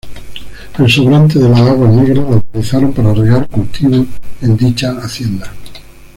El sobrante de las aguas negras la utilizaron para regar cultivos en dicha hacienda.